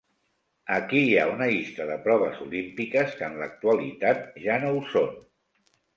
Aquí hi ha una llista de proves olímpiques que en l'actualitat ja no ho són.